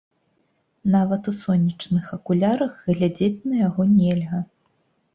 Нават у сонечных акулярах глядзець на яго нельга.